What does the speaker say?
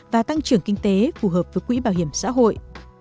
và tăng trưởng kinh tế phù hợp với quỹ bảo hiểm xã hội